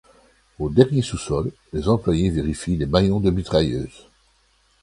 Au dernier sous-sol, les employés vérifient les maillons de mitrailleuse.